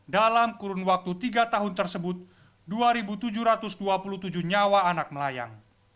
dalam kurun waktu tiga tahun tersebut dua tujuh ratus dua puluh tujuh nyawa anak melayang